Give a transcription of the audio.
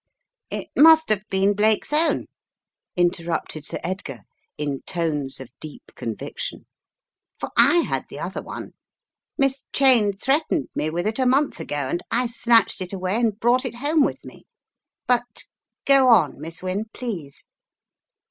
"It must have been Blake's own," interrupted Sir Edgar, in tones of deep conviction, "for I had the other one. Miss Cheyne threatened me with it a month ago, and I snatched it away and brought it home with me. But go on, Miss Wynne please."